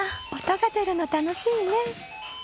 音が出るの楽しいね。